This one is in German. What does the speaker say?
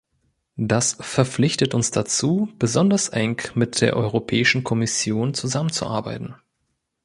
Das verpflichtet uns dazu, besonders eng mit der Europäischen Kommission zusammenzuarbeiten.